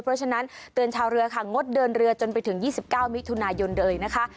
เพราะฉะนั้นเตือนชาวเรือค่ะงดเดินเรือจนไปถึง๒๙มิถุนายนเลยนะคะ